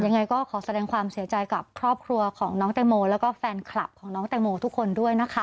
ยังไงก็ขอแสดงความเสียใจกับครอบครัวของน้องแตงโมแล้วก็แฟนคลับของน้องแตงโมทุกคนด้วยนะคะ